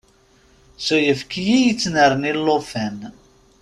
S uyefki i yettnerni llufan.